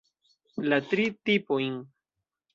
La tri tipojn.